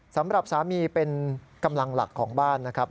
สำหรับสามีเป็นกำลังหลักของบ้านนะครับ